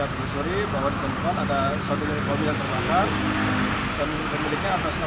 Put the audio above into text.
itu di bawah ke jasa barga untuk dilakukan penanganan jalan